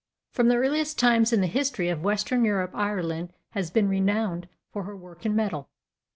From the earliest times in the history of western Europe Ireland has been renowned for her work in metal.